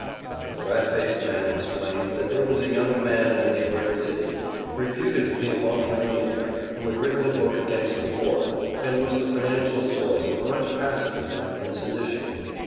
And the rat faced man explained that there was a young man in a neighboring city, reputed to be a multi millionaire, who had written a book against the war, and was the financial source of much pacificism and sedition.